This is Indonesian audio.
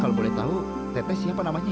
kalo boleh tau tete siapa namanya